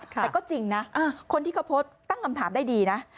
แต่ก็จริงนะคนที่เขาโพสต์ตั้งคำถามได้ดีนะ